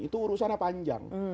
itu urusan yang panjang